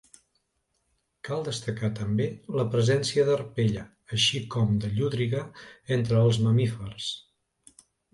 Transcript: Cal destacar també la presència d'arpella, així com de llúdriga, entre els mamífers.